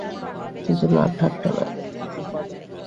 কিন্তু না, ঠাট্টা নয়।